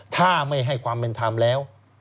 ถ้าไม่ให้ความเป็นธรรมแล้ว